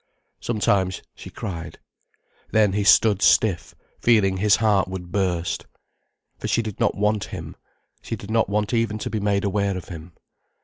Sometimes she cried. Then he stood stiff, feeling his heart would burst. For she did not want him, she did not want even to be made aware of him.